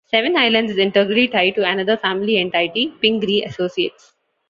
Seven Islands is integrally tied to another family entity, Pingree Associates.